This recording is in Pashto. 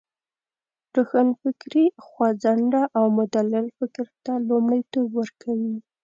روښانفکري خوځنده او مدلل فکر ته لومړیتوب ورکوی.